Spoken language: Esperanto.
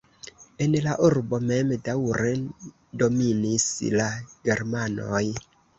En la urbo mem daŭre dominis la germanoj.